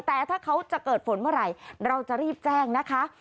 แต่ถ้าเขาจะเกิดฝนเมื่อไหร่เราจะรีบแจ้งนะคะ